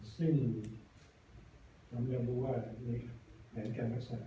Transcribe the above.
ซึ่งเราไม่รู้ว่าในแผนการรักษา